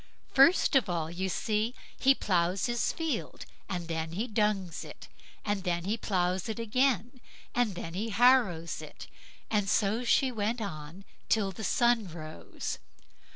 "First of all, you see, he ploughs his field, and then he dungs it, and then he ploughs it again, and then he harrows it"; and so she went on till the sun rose.